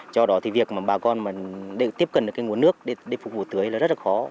do đó việc bà con tiếp cận được nguồn nước để phục vụ tưới rất khó